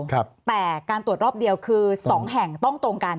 แต่การตรวจรอบเดียวคือ๒แห่งต้องตรงกัน